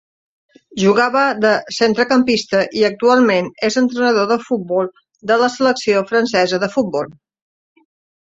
Jugava de centrecampista i actualment és entrenador de futbol de la selecció francesa de futbol.